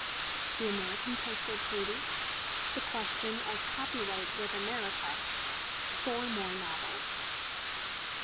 THE AMERICAN POSTAL TREATY THE QUESTION OF COPYRIGHT WITH AMERICA FOUR MORE NOVELS.